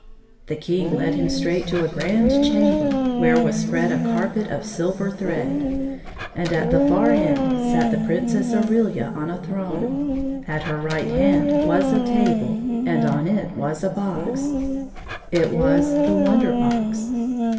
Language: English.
The King led him straight to a grand chamber, where was spread a carpet of silver thread, and at the far end sat the Princess Aurelia on a throne. At her right hand was a table, and on it was a box. 187 .;> It was the Wonder Box.